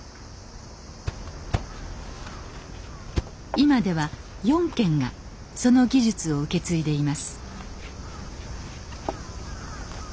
今では４軒がその技術を受け継いでいます。